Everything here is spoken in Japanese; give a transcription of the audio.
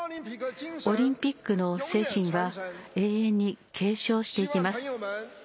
オリンピックの精神は永遠に継承していきます。